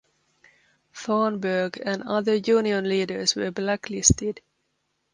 Thornburgh and other union leaders were blacklisted.